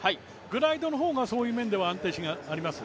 グライドの方が、そういう面では安定があります。